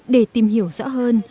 để tìm hiểu rõ hơn